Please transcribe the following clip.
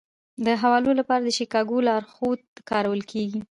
د حوالو لپاره د شیکاګو لارښود کارول کیږي.